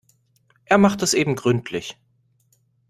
Er macht es eben gründlich.